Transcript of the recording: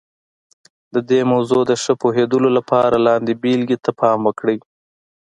د دې موضوع د ښه پوهېدلو لپاره لاندې بېلګې ته پام وکړئ.